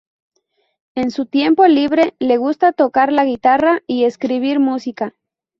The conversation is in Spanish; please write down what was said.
En su tiempo libre, le gusta tocar la guitarra y escribir música.